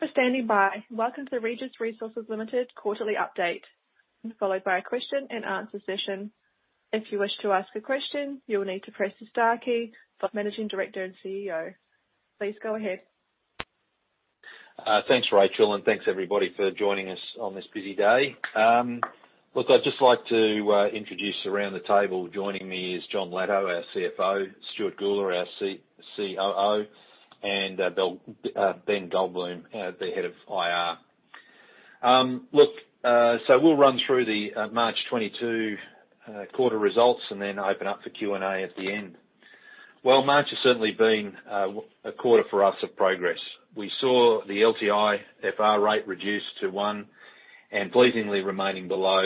Thank you for standing by. Welcome to Regis Resources Limited Quarterly Update, followed by a question and answer session. If you wish to ask a question, you will need to press the star key. For Managing Director and CEO. Please go ahead. Thanks, Rachel, and thanks everybody for joining us on this busy day. Look, I'd just like to introduce around the table. Joining me is Jon Latto, our CFO, Stuart Gula, our COO, and Ben Goldbloom, the head of IR. Look, so we'll run through the March 2022 quarter results and then open up for Q&A at the end. March has certainly been a quarter for us of progress. We saw the LTIFR rate reduce to one, and pleasingly remaining below,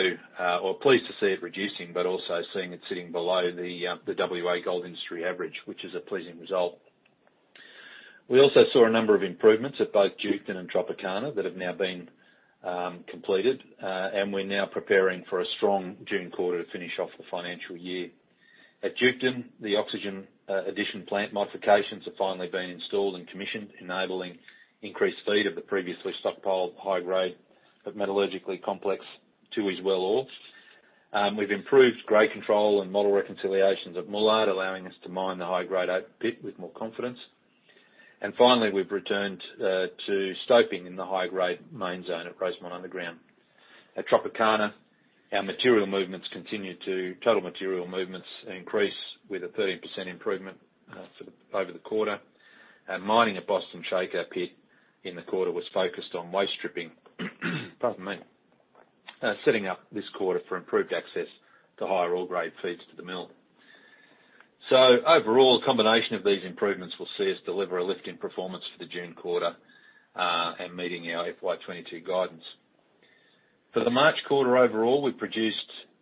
or pleased to see it reducing, but also seeing it sitting below the WA gold industry average, which is a pleasing result. We also saw a number of improvements at both Duketon and Tropicana that have now been completed, and we're now preparing for a strong June quarter to finish off the financial year. At Duketon, the oxygen addition plant modifications have finally been installed and commissioned, enabling increased feed of the previously stockpiled high grade of metallurgically complex Tooheys Well ore. We've improved grade control and model reconciliations at Moolart, allowing us to mine the high-grade open pit with more confidence. Finally, we've returned to stoping in the high-grade main zone at Rosemont Underground. At Tropicana, our total material movements continue to increase with a 13% improvement, sort of over the quarter. Our mining at Boston Shaker pit in the quarter was focused on waste stripping. Pardon me. Setting up this quarter for improved access to higher ore grade feeds to the mill. Overall, the combination of these improvements will see us deliver a lift in performance for the June quarter, and meeting our FY 2022 guidance. For the March quarter overall, we produced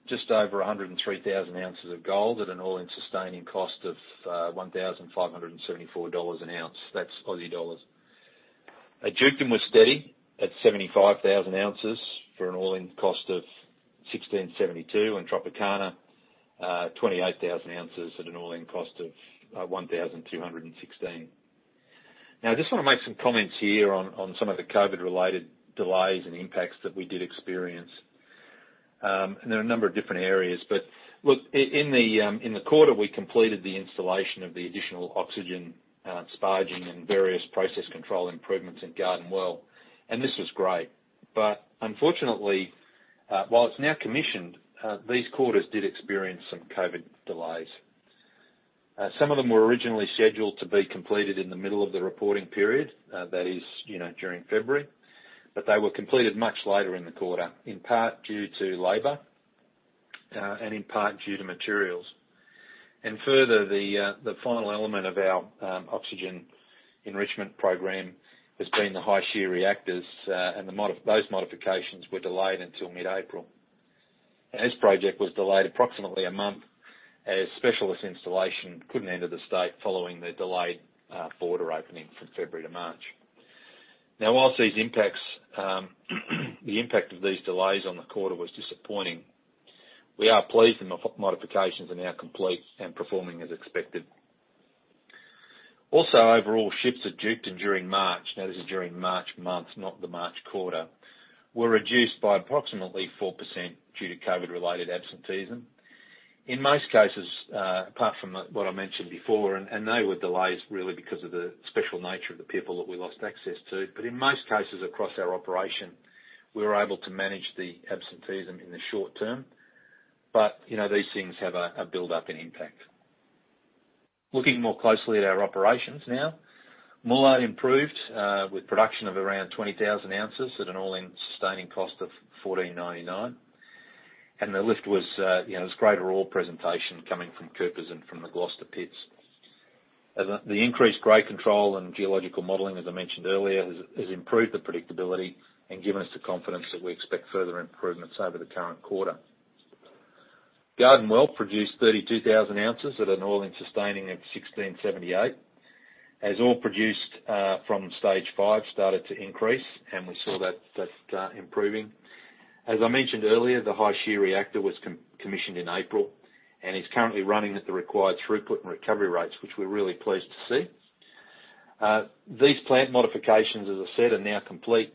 just over 103,000 ounces of gold at an all-in sustaining cost of 1,574 dollars an ounce. That's Aussie dollars. At Duketon, we're steady at 75,000 ounces for an all-in cost of 1,672. Tropicana, 28,000 ounces at an all-in cost of 1,216. Now, I just wanna make some comments here on some of the COVID-related delays and impacts that we did experience. There are a number of different areas. Look, in the quarter, we completed the installation of the additional oxygen sparging and various process control improvements in Garden Well, and this was great. Unfortunately, while it's now commissioned, these quarters did experience some COVID delays. Some of them were originally scheduled to be completed in the middle of the reporting period, that is, you know, during February, but they were completed much later in the quarter, in part due to labor, and in part due to materials. Further, the final element of our oxygen enrichment program has been the high shear reactors, and those modifications were delayed until mid-April. This project was delayed approximately a month as specialist installation couldn't enter the state following the delayed border opening from February to March. While these impacts, the impact of these delays on the quarter was disappointing, we are pleased the modifications are now complete and performing as expected. Also, overall, shifts at Duketon during March, now this is during March month, not the March quarter, were reduced by approximately 4% due to COVID-related absenteeism. In most cases, apart from what I mentioned before, and they were delays really because of the special nature of the people that we lost access to. In most cases across our operation, we were able to manage the absenteeism in the short term, you know, these things have a build-up and impact. Looking more closely at our operations now. Moolart improved with production of around 20,000 ounces at an all-in sustaining cost of 1,499. The lift was, it's greater ore presentation coming from Coopers and from the Gloucester pits. The increased grade control and geological modeling, as I mentioned earlier, has improved the predictability and given us the confidence that we expect further improvements over the current quarter. Garden Well produced 32,000 ounces at an all-in sustaining cost of 1,678. As ore produced from Stage 5 started to increase, and we saw that start improving. As I mentioned earlier, the high shear reactor was commissioned in April and is currently running at the required throughput and recovery rates, which we're really pleased to see. These plant modifications, as I said, are now complete,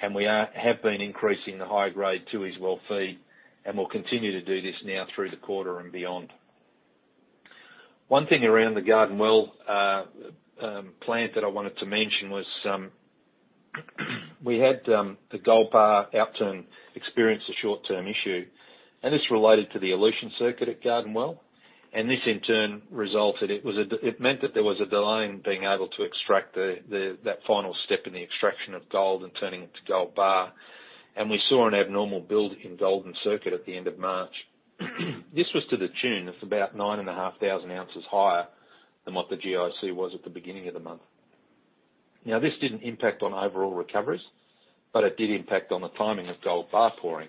and we have been increasing the high grade Tooheys Well feed and will continue to do this now through the quarter and beyond. One thing around the Garden Well plant that I wanted to mention was, we had the gold bar outturn. We experienced a short-term issue, and this related to the elution circuit at Garden Well. This in turn resulted. It meant that there was a delay in being able to extract the final step in the extraction of gold and turning it to gold bar. We saw an abnormal build in gold in circuit at the end of March. This was to the tune of about 9,500 ounces higher than what the GIC was at the beginning of the month. Now, this didn't impact on overall recoveries, but it did impact on the timing of gold bar pouring.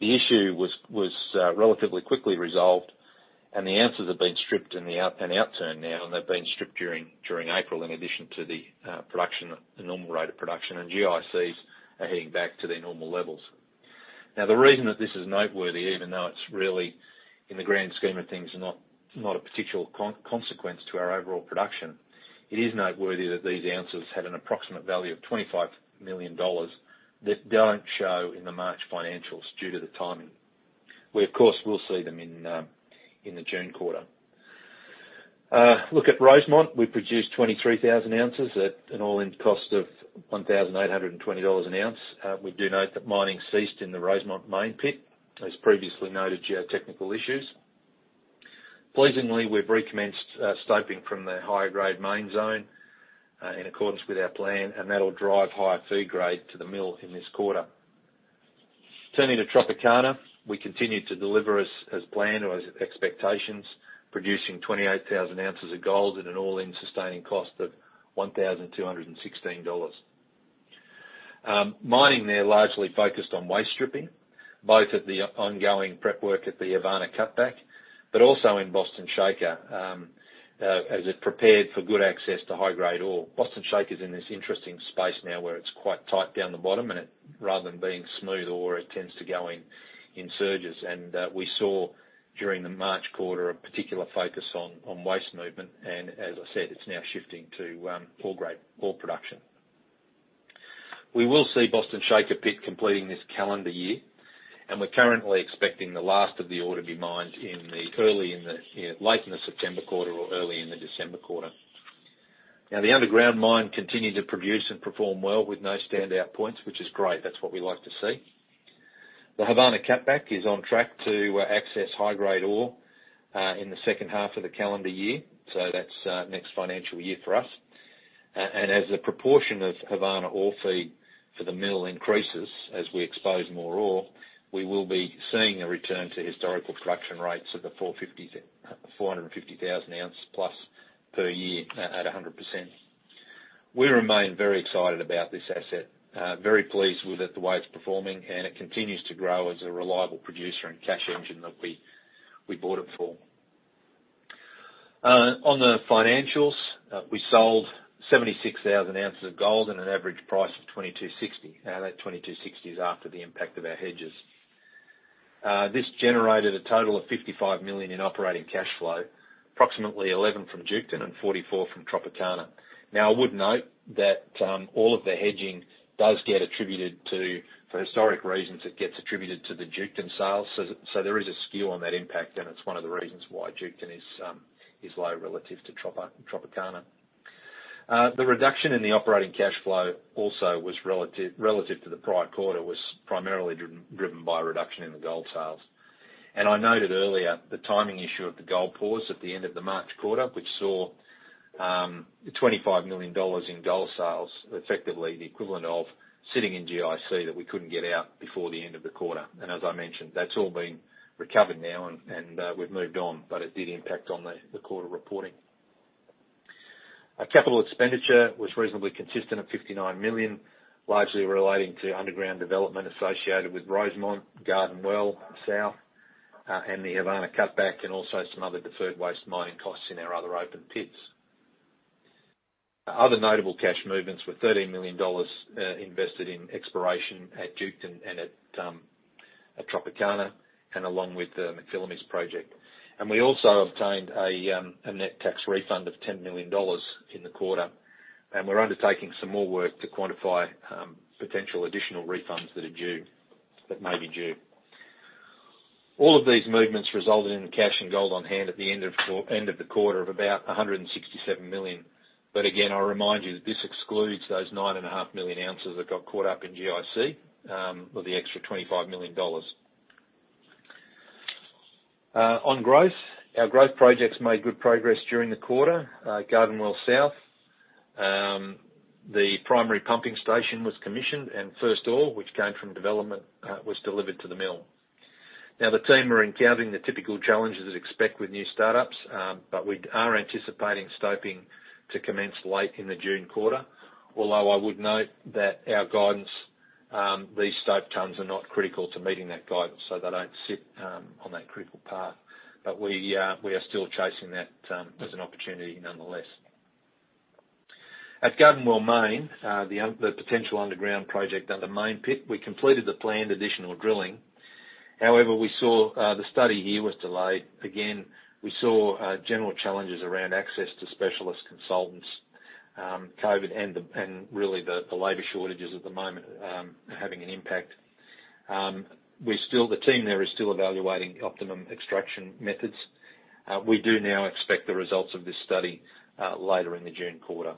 The issue was relatively quickly resolved, and the ounces have been stripped in the outturn now, and they've been stripped during April, in addition to the production, the normal rate of production, and GICs are heading back to their normal levels. Now, the reason that this is noteworthy, even though it's really, in the grand scheme of things, not a particular consequence to our overall production, it is noteworthy that these ounces had an approximate value of 25 million dollars that don't show in the March financials due to the timing. We, of course, will see them in the June quarter. Look at Rosemont. We produced 23,000 ounces at an all-in cost of 1,820 dollars an ounce. We do note that mining ceased in the Rosemont main pit as previously noted geotechnical issues. Pleasingly, we've recommenced stoping from the higher grade main zone in accordance with our plan, and that'll drive higher feed grade to the mill in this quarter. Turning to Tropicana. We continue to deliver as planned or as expected, producing 28,000 ounces of gold at an all-in sustaining cost of $1,216. Mining there largely focused on waste stripping, both at the ongoing prep work at the Havana Cutback, but also in Boston Shaker, as it prepared for good access to high-grade ore. Boston Shaker's in this interesting space now where it's quite tight down the bottom, and it, rather than being smooth ore, it tends to go in surges. We saw during the March quarter a particular focus on waste movement. As I said, it's now shifting to ore grade ore production. We will see Boston Shaker pit completing this calendar year, and we're currently expecting the last of the ore to be mined in the late in the September quarter or early in the December quarter. The underground mine continued to produce and perform well with no standout points, which is great. That's what we like to see. The Havana Cutback is on track to access high-grade ore in the second half of the calendar year, so that's next financial year for us. As the proportion of Havana ore feed for the mill increases, as we expose more ore, we will be seeing a return to historical production rates of the 450,000 ounces+ per year at 100%. We remain very excited about this asset. Very pleased with it, the way it's performing, and it continues to grow as a reliable producer and cash engine that we bought it for. On the financials, we sold 76,000 ounces of gold at an average price of 2,260. Now, that 2,260 is after the impact of our hedges. This generated a total of 55 million in operating cash flow, approximately 11 million from Duketon and 44 million from Tropicana. Now, I would note that all of the hedging does get attributed to, for historic reasons, it gets attributed to the Duketon sales. So there is a skew on that impact, and it's one of the reasons why Duketon is low relative to Tropicana. The reduction in the operating cash flow also was relative to the prior quarter, was primarily driven by a reduction in the gold sales. I noted earlier the timing issue of the gold pause at the end of the March quarter, which saw 25 million dollars in gold sales, effectively the equivalent of sitting in GIC that we couldn't get out before the end of the quarter. As I mentioned, that's all been recovered now, and we've moved on, but it did impact on the quarter reporting. Our capital expenditure was reasonably consistent at 59 million, largely relating to underground development associated with Rosemont, Garden Well South, and the Havana Cutback, and also some other deferred waste mining costs in our other open pits. Other notable cash movements were AUD 13 million invested in exploration at Duketon and at Tropicana, along with the McPhillamys Project. We also obtained a net tax refund of 10 million dollars in the quarter. We're undertaking some more work to quantify potential additional refunds that may be due. All of these movements resulted in cash and gold on hand at the end of the quarter of about 167 million. Again, I remind you that this excludes those 9.5 million ounces that got caught up in GIC or the extra AUD 25 million. On growth. Our growth projects made good progress during the quarter. Garden Well South, the primary pumping station was commissioned, and first ore, which came from development, was delivered to the mill. Now, the team are encountering the typical challenges they expect with new startups, but we are anticipating stoping to commence late in the June quarter. Although I would note that our guidance, these stope tonnes are not critical to meeting that guidance, so they don't sit on that critical path. We are still chasing that as an opportunity nonetheless. At Garden Well Main, the potential underground project under Main Pit, we completed the planned additional drilling. However, we saw the study here was delayed. Again, we saw general challenges around access to specialist consultants, COVID and really the labor shortages at the moment, having an impact. The team there is still evaluating optimum extraction methods. We do now expect the results of this study later in the June quarter.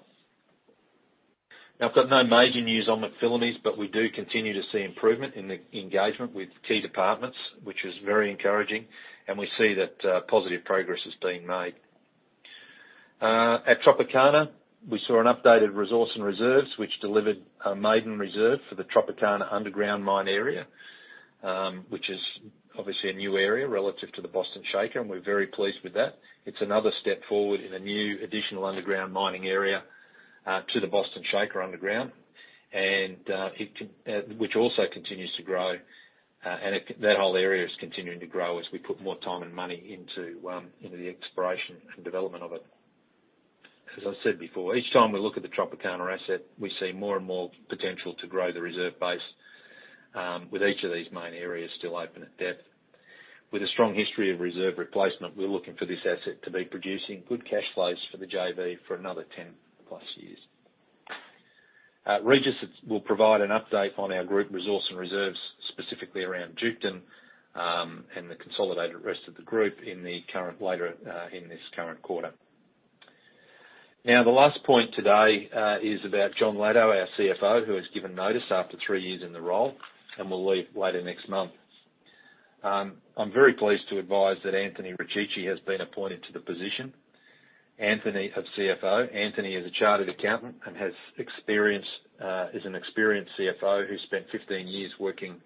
I've got no major news on McPhillamys, but we do continue to see improvement in the engagement with key departments, which is very encouraging, and we see that positive progress is being made. At Tropicana, we saw an updated resource and reserves which delivered a maiden reserve for the Tropicana underground mine area, which is obviously a new area relative to the Boston Shaker, and we're very pleased with that. It's another step forward in a new additional underground mining area to the Boston Shaker underground. It can, which also continues to grow, and that whole area is continuing to grow as we put more time and money into the exploration and development of it. As I've said before, each time we look at the Tropicana asset, we see more and more potential to grow the reserve base, with each of these main areas still open at depth. With a strong history of reserve replacement, we're looking for this asset to be producing good cash flows for the JV for another 10+ years. Regis will provide an update on our group resource and reserves, specifically around Duketon, and the consolidated rest of the group later in this current quarter. Now, the last point today is about Jon Latto, our CFO, who has given notice after three years in the role and will leave later next month. I'm very pleased to advise that Anthony Rechichi has been appointed to the position as CFO. Anthony is a chartered accountant and is an experienced CFO who spent 15 years working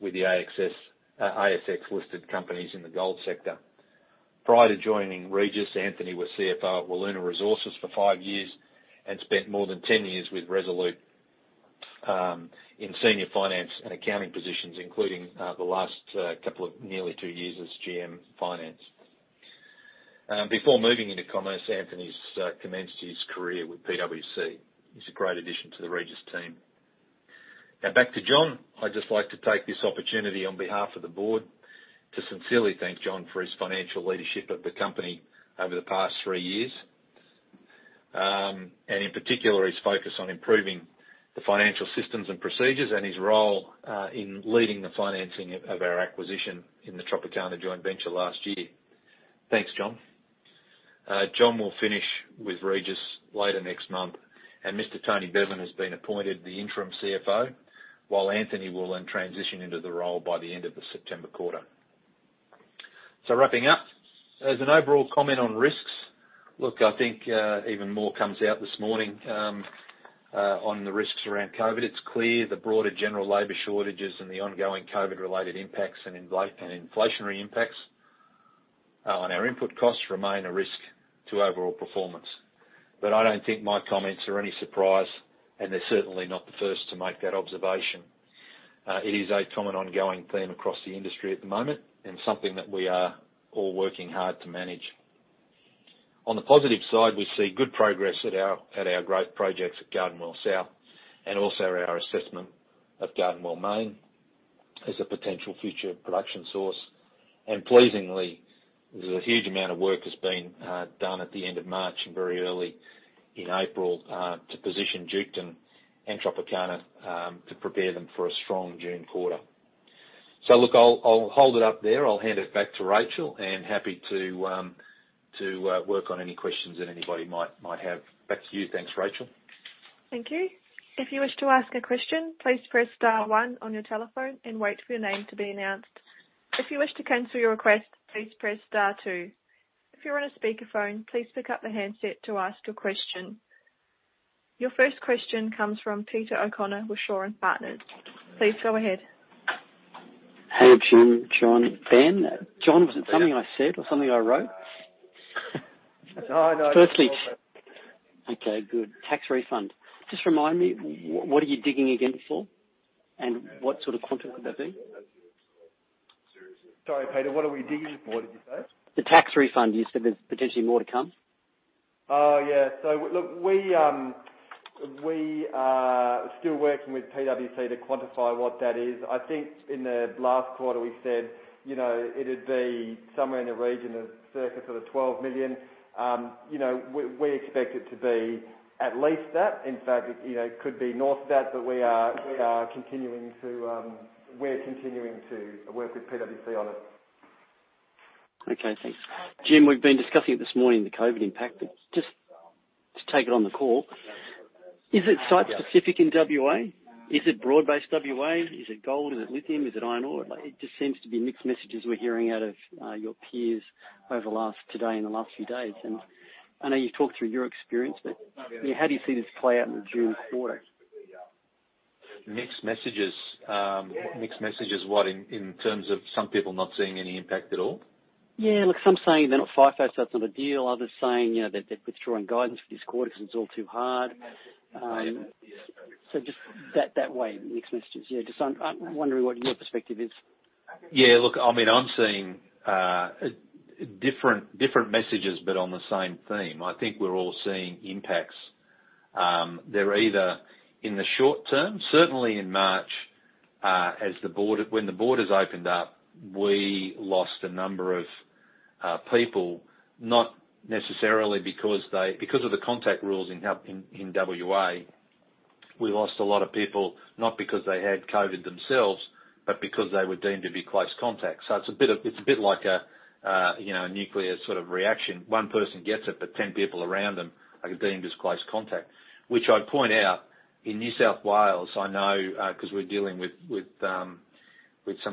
with ASX-listed companies in the gold sector. Prior to joining Regis, Anthony was CFO at Wiluna Mining Corporation for five years and spent more than 10 years with Resolute Mining in senior finance and accounting positions, including the last couple of nearly two years as GM Finance. Before moving into commerce, Anthony commenced his career with PwC. He's a great addition to the Regis team. Now back to Jon. I'd just like to take this opportunity on behalf of the board to sincerely thank Jon Latto for his financial leadership of the company over the past three years, and in particular, his focus on improving the financial systems and procedures and his role in leading the financing of our acquisition in the Tropicana joint venture last year. Thanks, Jon Latto. Jon Latto will finish with Regis later next month, and Mr. Tony Bevan has been appointed the interim CFO, while Anthony Rechichi will then transition into the role by the end of the September quarter. Wrapping up, as an overall comment on risks, look, I think, even more comes out this morning on the risks around COVID. It's clear the broader general labor shortages and the ongoing COVID-related impacts and inflationary impacts on our input costs remain a risk to overall performance. I don't think my comments are any surprise, and they're certainly not the first to make that observation. It is a common ongoing theme across the industry at the moment and something that we are all working hard to manage. On the positive side, we see good progress at our growth projects at Garden Well South and also our assessment of Garden Well Main as a potential future production source. Pleasingly, there's a huge amount of work that's been done at the end of March and very early in April to position Duketon and Tropicana to prepare them for a strong June quarter. Look, I'll hold it up there. I'll hand it back to Rachel, and happy to work on any questions that anybody might have. Back to you. Thanks, Rachel. Thank you. If you wish to ask a question, please press star one on your telephone and wait for your name to be announced. If you wish to cancel your request, please press star two. If you're on a speakerphone, please pick up the handset to ask your question. Your first question comes from Peter O'Connor with Shaw and Partners. Please go ahead. Hey, Jim, Jon, Ben. Jon, was it something I said or something I wrote? Oh, no. Okay, good. Tax refund. Just remind me, what are you digging again for, and what sort of quantum could that be? Sorry, Peter, what are we digging for, did you say? The tax refund. You said there's potentially more to come. Oh, yeah. Look, we are still working with PwC to quantify what that is. I think in the last quarter we said, you know, it'd be somewhere in the region of circa sort of 12 million. You know, we expect it to be at least that. In fact, it could be north of that. But we are continuing to work with PwC on it. Okay, thanks. Jim, we've been discussing it this morning, the COVID impact, but just to take it on the call, is it site-specific in WA? Is it broad-based WA? Is it gold? Is it lithium? Is it iron ore? It just seems to be mixed messages we're hearing from your peers over the last few days and today. I know you've talked through your experience, but, I mean, how do you see this play out in the June quarter? Mixed messages. Mixed messages what? In terms of some people not seeing any impact at all? Yeah, look, some saying they're not FIFO, so it's not a deal. Others saying, you know, they're withdrawing guidance for this quarter 'cause it's all too hard. Just that way, mixed messages. Yeah, just I'm wondering what your perspective is. Yeah, look, I mean, I'm seeing different messages but on the same theme. I think we're all seeing impacts. They're either in the short term. Certainly in March, as the border, when the borders opened up, we lost a number of people. Because of the contact rules in WA, we lost a lot of people, not because they had COVID themselves, but because they were deemed to be close contacts. It's a bit like a nuclear sort of reaction. One person gets it, but 10 people around them are deemed as close contact. I'd point out, in New South Wales, I know, 'cause we're dealing with some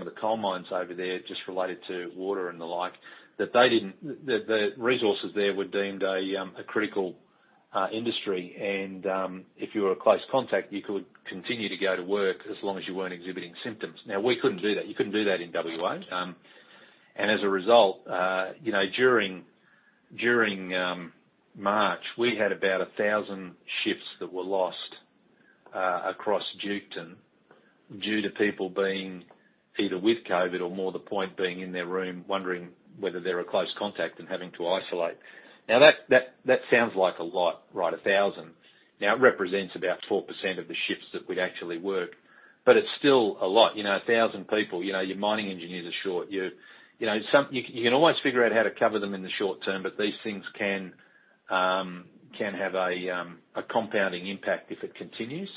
of the coal mines over there, just related to water and the like, that they didn't. The resources there were deemed a critical industry and if you were a close contact, you could continue to go to work as long as you weren't exhibiting symptoms. Now, we couldn't do that. You couldn't do that in WA. As a result, during March, we had about 1,000 shifts that were lost across Duketon due to people being either with COVID or more to the point being in their room, wondering whether they're a close contact and having to isolate. Now that sounds like a lot, right? 1,000. Now, it represents about 4% of the shifts that we'd actually work, but it's still a lot. You know, 1,000 people, your mining engineers are short. You're some... You can always figure out how to cover them in the short term, but these things can have a compounding impact if it continues.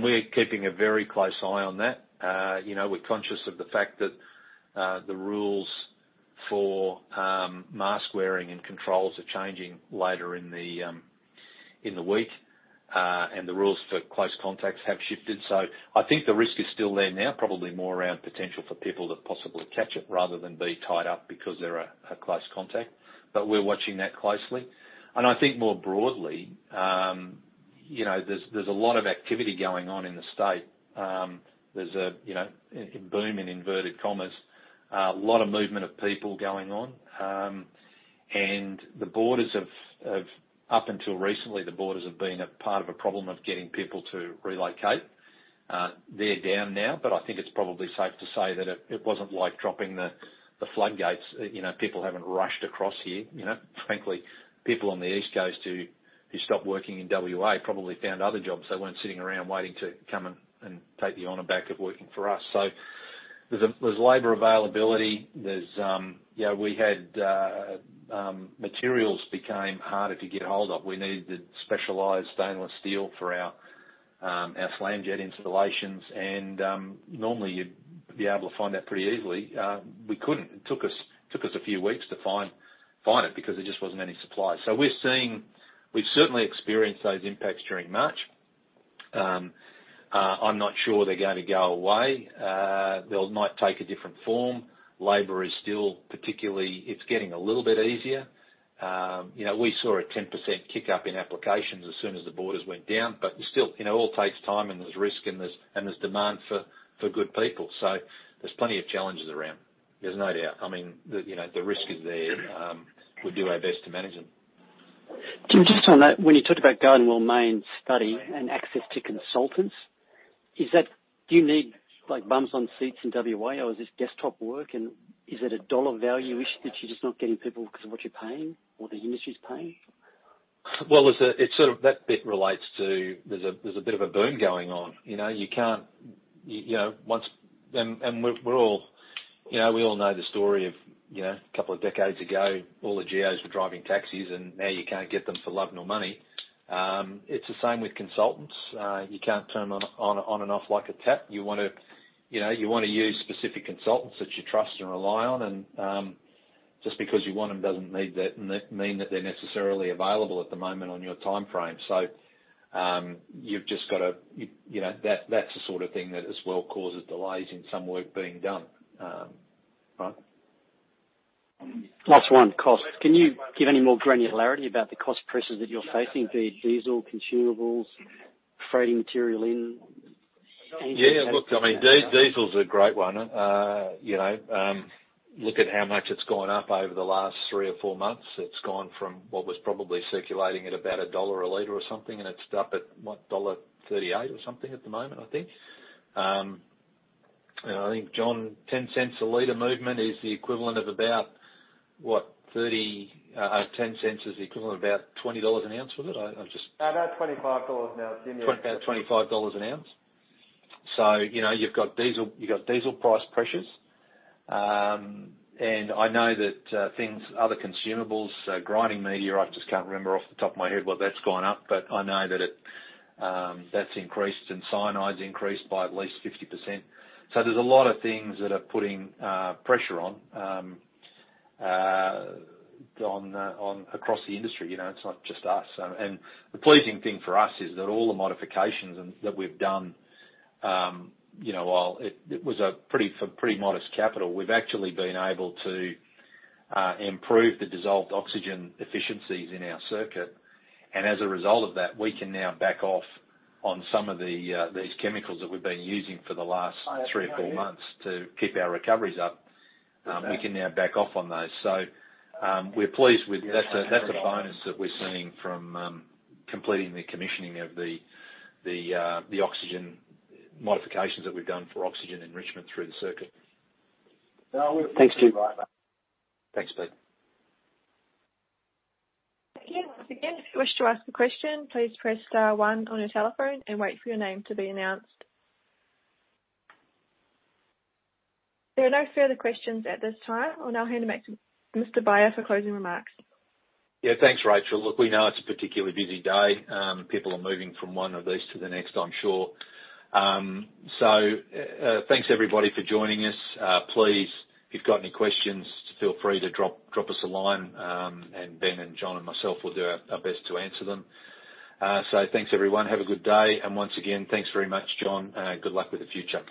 We're keeping a very close eye on that. You know, we're conscious of the fact that the rules for mask wearing and controls are changing later in the week, and the rules for close contacts have shifted. I think the risk is still there now, probably more around potential for people to possibly catch it rather than be tied up because they're a close contact. We're watching that closely. I think more broadly, you know, there's a lot of activity going on in the state. There's a, you know, a boom in inverted commas, a lot of movement of people going on. The borders have been a part of a problem of getting people to relocate up until recently. They're down now, but I think it's probably safe to say that it wasn't like dropping the floodgates. You know, people haven't rushed across here, you know? Frankly, people on the East Coast who stopped working in WA probably found other jobs. They weren't sitting around waiting to come and take the honor back of working for us. There's labor availability. We had materials became harder to get ahold of. We needed specialized stainless steel for our IsaMill installations. Normally you'd be able to find that pretty easily. We couldn't. It took us a few weeks to find it because there just wasn't any supply. We're seeing. We've certainly experienced those impacts during March. I'm not sure they're going to go away. They'll might take a different form. Labor is still, particularly, it's getting a little bit easier. You know, we saw a 10% kick up in applications as soon as the borders went down, but you still, you know, it all takes time, and there's risk, and there's demand for good people. There's plenty of challenges around. There's no doubt. I mean, you know, the risk is there. We'll do our best to manage them. Jim, just on that, when you talked about Garden Well Main study and access to consultants, is that do you need, like, bums on seats in WA or is this desktop work and is it a dollar value issue that you're just not getting people 'cause of what you're paying or the industry's paying? It's sort of that bit relates to a bit of a boom going on. You know, we all know the story of a couple of decades ago, all the geos were driving taxis, and now you can't get them for love nor money. It's the same with consultants. You can't turn them on and off like a tap. You want to, you know, you wanna use specific consultants that you trust and rely on. Just because you want them doesn't mean that they're necessarily available at the moment on your timeframe. You've just gotta, you know, that's the sort of thing that as well causes delays in some work being done. Plus one, cost. Can you give any more granularity about the cost pressures that you're facing, be it diesel, consumables, freighting material in? Yeah. Look, I mean, diesel's a great one. Look at how much it's gone up over the last three or four months. It's gone from what was probably circulating at about AUD 1 a liter or something, and it's up at what, dollar 1.38 or something at the moment, I think. I think, Jon, an AUD 0.10 a liter movement is the equivalent of about 20 dollars an ounce. Was it? I've just About $25 an ounce, yeah. About 25 dollars an ounce. You know, you've got diesel price pressures. I know that other consumables, grinding media, I just can't remember off the top of my head what that's gone up, but I know that it's increased and cyanide's increased by at least 50%. There's a lot of things that are putting pressure on across the industry. You know, it's not just us. The pleasing thing for us is that all the modifications that we've done, you know, while it was for pretty modest capital. We've actually been able to improve the dissolved oxygen efficiencies in our circuit. As a result of that, we can now back off on some of these chemicals that we've been using for the last three or four months to keep our recoveries up. We can now back off on those. We're pleased with that. That's a bonus that we're seeing from completing the commissioning of the oxygen modifications that we've done for oxygen enrichment through the circuit. Thanks, Jim. Thanks, Pete. Again, once again, if you wish to ask a question, please press star one on your telephone and wait for your name to be announced. There are no further questions at this time. I'll now hand them back to Jim Beyer for closing remarks. Yeah. Thanks, Rachel. Look, we know it's a particularly busy day. People are moving from one of these to the next, I'm sure. Thanks everybody for joining us. Please, if you've got any questions, feel free to drop us a line. Ben and Jon and myself will do our best to answer them. Thanks, everyone. Have a good day. Once again, thanks very much, Jon. Good luck with the future.